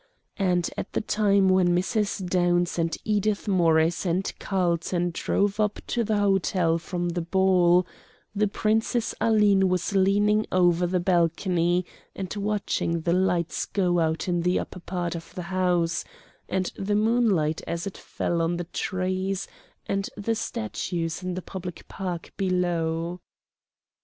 And at the time when Mrs. Downs and Edith Morris and Carlton drove up to the hotel from the ball, the Princess Aline was leaning over the balcony and watching the lights go out in the upper part of the house, and the moonlight as it fell on the trees and statues in the public park below.